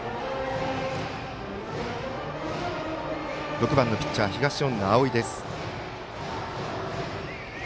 ６番のピッチャー、東恩納蒼です。